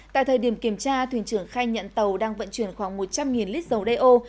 tại thời điểm kiểm tra thuyền trưởng khai nhận tàu đang vận chuyển khoảng một trăm linh lít dầu đeo